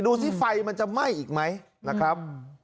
ดูสิไฟมันจะไหม้อีกไหมนะครับ